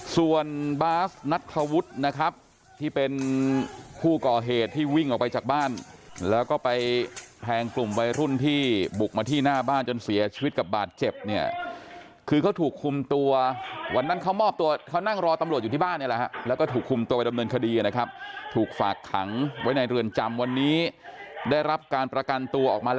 ส่วนบาสนัทธวุฒินะครับที่เป็นผู้ก่อเหตุที่วิ่งออกไปจากบ้านแล้วก็ไปแทงกลุ่มวัยรุ่นที่บุกมาที่หน้าบ้านจนเสียชีวิตกับบาดเจ็บเนี่ยคือเขาถูกคุมตัววันนั้นเขามอบตัวเขานั่งรอตำรวจอยู่ที่บ้านเนี่ยแหละฮะแล้วก็ถูกคุมตัวไปดำเนินคดีนะครับถูกฝากขังไว้ในเรือนจำวันนี้ได้รับการประกันตัวออกมาแล้ว